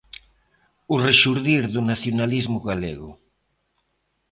O Rexurdir do nacionalismo galego.